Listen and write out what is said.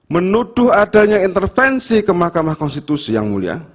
menuduh adanya intervensi ke mahkamah konstitusi yang mulia